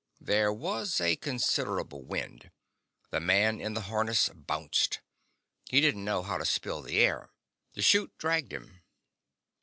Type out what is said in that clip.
There was a considerable wind. The man in the harness bounced. He didn't know how to spill the air. The chute dragged him.